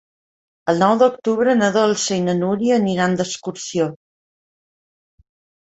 El nou d'octubre na Dolça i na Núria aniran d'excursió.